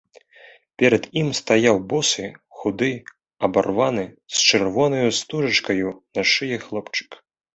Перад ім стаяў босы, худы, абарваны, з чырвонаю стужачкаю на шыі хлопчык.